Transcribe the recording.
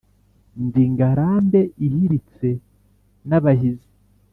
ndi ngarambe ihiritse n’abahizi